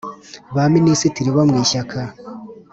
ba minisitiri bo mu Ishyaka